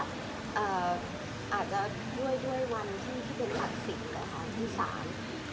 ไม่มีอาจจะด้วยวันที่พี่เด้นหลักศิลป์ที่สาม